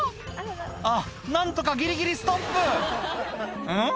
あっ何とかギリギリストップんっ？